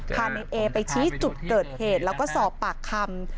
พาในเอไปชี้จุดเกิดเหตุแล้วก็สอบปากคำ